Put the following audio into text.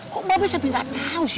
kok babes sampe gak tau sih